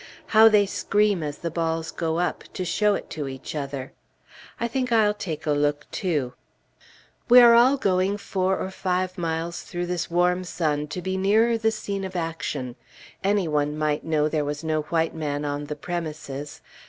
How they scream as the balls go up, to show it to each other. I think I'll take a look, too. We are all going four or five miles through this warm sun to be nearer the scene of action. Any one might know there was no white man on the premises.